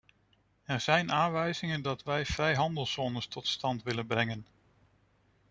Er zijn aanwijzingen dat wij vrijhandelszones tot stand willen brengen.